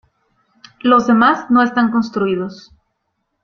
Los demás no están construidos.